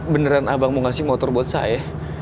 beneran abang mau kasih motor buat saya